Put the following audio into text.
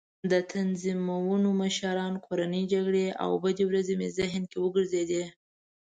د تنظیمونو مشران، کورنۍ جګړې او بدې ورځې مې ذهن کې وګرځېدې.